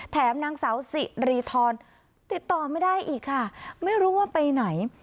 นางสาวสิริธรติดต่อไม่ได้อีกค่ะไม่รู้ว่าไปไหน